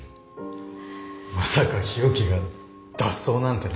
まさか日置が脱走なんてな。